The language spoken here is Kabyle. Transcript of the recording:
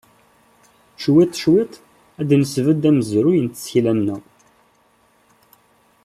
Cwiṭ cwiṭ, ad nesbedd amezruy n tsekla-nneɣ.